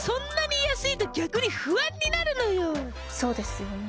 そうですよね